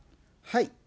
はい。